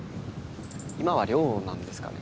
今は寮なんですかね？